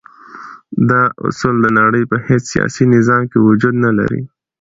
دا اصول د نړی په هیڅ سیاسی نظام کی وجود نلری.